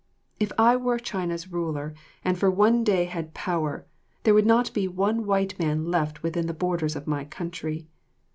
If I were China's ruler and for one day had power, there would not be one white man left within the borders of my country.